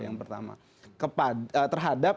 yang pertama terhadap